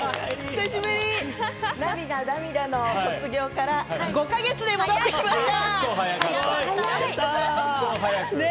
涙涙の卒業から５か月で戻ってきました。